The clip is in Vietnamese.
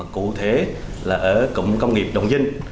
cụ thể là ở cụng công nghiệp đồng dinh